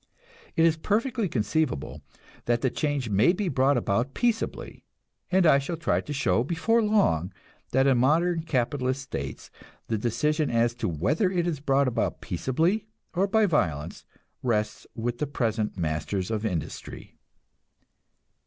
It is perfectly conceivable that the change may be brought about peaceably, and I shall try to show before long that in modern capitalist states the decision as to whether it is brought about peaceably or by violence rests with the present masters of industry.